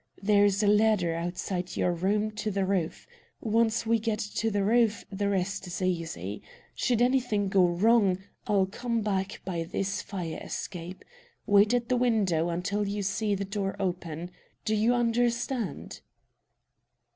There's a ladder outside your room to the roof. Once we get to the roof the rest's easy. Should anything go wrong, I'll come back by this fire escape. Wait at the window until you see your door open. Do you understand?"